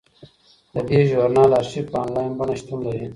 د دې ژورنال ارشیف په انلاین بڼه شتون لري.